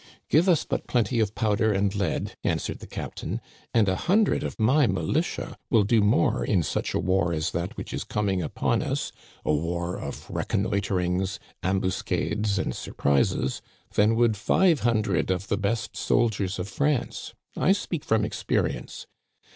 " Give us but plenty of powder and lead," answered the captain, " and a hundred of my militia will do more in such a war as that which is coming upon us — a war of reconnoitrings, ambuscades, and surprises — than would five hundred of the best soldiers of France. I speak from experience.